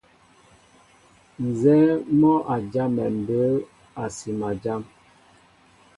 Nzɛ́ɛ́ mɔ́ a jámɛ mbə̌ a sima jám.